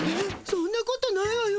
そんなことないわよ。